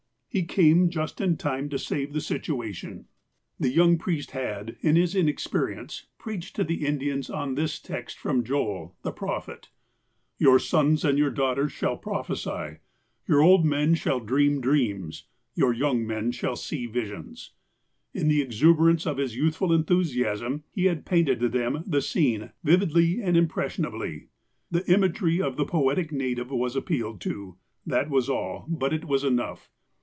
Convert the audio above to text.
He came just in time to save the situation. 24.6 THE APOSTLE OF ALASKA The young priest had, in his inexperience, preached to the Indians on this text from Joel, the prophet :'' Your sons and your daughters shall prophesy, your old men shall dream dreams, your young men shall see visions." In the exuberance of his youthful enthusiasm, he had painted to them the scene, vividly and impressionably. The imagery of the poetic native was appealed to. That was all. But it was enough.